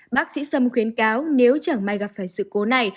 bác sĩ sâm khuyến cáo nếu chẳng may gặp phải sự cố này